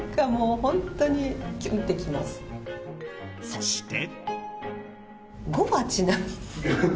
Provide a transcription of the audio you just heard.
そして。